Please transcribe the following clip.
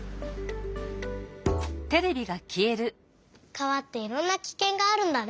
川っていろんなキケンがあるんだね。